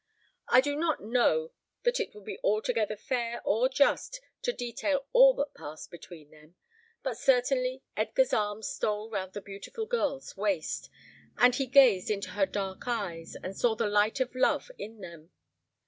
I do not know that it would be altogether fair or just to detail all that passed between them; but certainly Edgar's arm stole round the beautiful girl's waist, and he gazed into her dark eyes and saw the light of love in them.